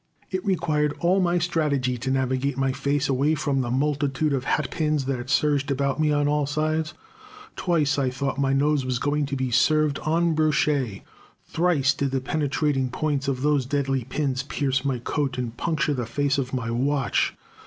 It required all my strategy to navigate my face away from the multitude of hatpins that surged about me on all sides. Twice I thought my nose was going to be served en brochette. Thrice did the penetrating points of those deadly pins pierce my coat and puncture the face of my watch.